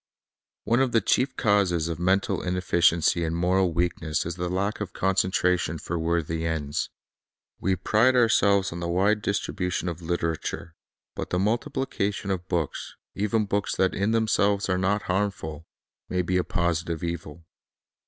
One of the chief causes of mental inefficiency and moral weakness is the lack of concentration for worthy ends. We pride ourselves on the wide distribution of literature; but the multiplication of books, even books that in themselves are not harmful, may be a positive evil.